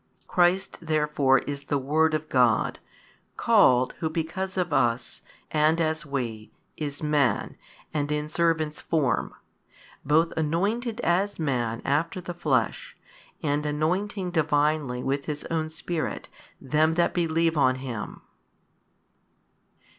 Christ therefore is the Word of God called Who because of us and as we is Man and in servant's form: both anointed as Man after the Flesh, and anointing Divinely with His own Spirit them that believe on Him.